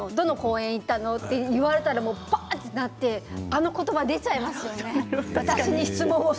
どこの公園行ったのと言われたらぱっとあの言葉出ちゃいますよね。